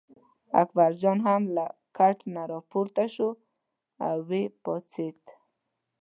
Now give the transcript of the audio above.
اکبرجان هم له کټ نه راپورته شو او یې پاڅېد.